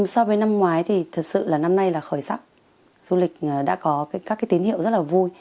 so với năm ngoái thì thật sự là năm nay là khởi sắc du lịch đã có các tín hiệu rất là vui